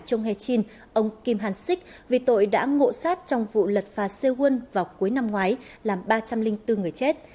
trung he chin ông kim han sik vì tội đã ngộ sát trong vụ lật phà xe huân vào cuối năm ngoái làm ba trăm linh bốn người chết